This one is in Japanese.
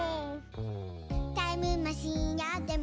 「タイムマシンあっても」